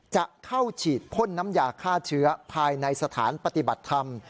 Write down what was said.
จะเข้าฉีดพ่นน้ำยาฆ่าเชื้อภายในสถานปฏิบัติธรรม